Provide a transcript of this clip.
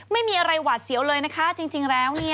ไม่มีอะไรหวาดเสียวเลยนะคะจริงแล้ว